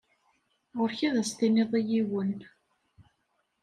Ɣuṛ-k ad as-tiniḍ i yiwen.